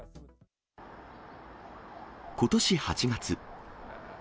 ことし８月。